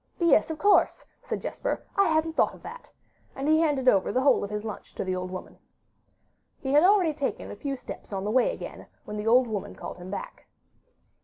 'Yes, of course,' said Jesper, 'I hadn't thought of that'; and he handed over the whole of his lunch to the old woman. He had already taken a few steps on the way again, when the old woman called him back.